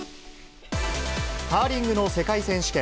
カーリングの世界選手権。